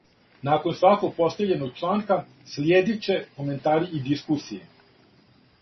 Након сваког постављеног чланка слиједит ће коментари и дискусије.